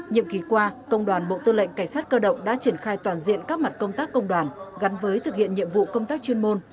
nhiệm ký qua công đoàn bộ tư lệnh cảnh sát cơ động đã triển khai toàn diện các mặt công tác công đoàn gắn với thực hiện nhiệm vụ công tác chuyên môn